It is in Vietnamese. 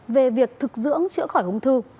về việc thực dưỡng chữa khỏi ung thư